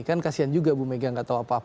kan kasian juga ibu mega nggak tahu apa apa